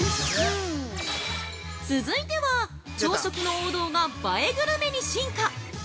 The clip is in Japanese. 続いては朝食の王道が映えグルメに進化！